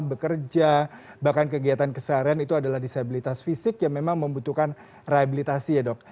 bekerja bahkan kegiatan keseharian itu adalah disabilitas fisik yang memang membutuhkan rehabilitasi ya dok